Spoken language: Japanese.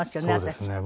そうですね。